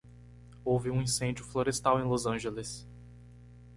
Houve um incêndio florestal em Los Angeles.